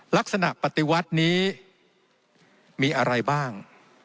ลักษณะปฏิวัตินี้มีอะไรบ้าง